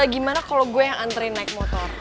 gimana kalau gue yang antren naik motor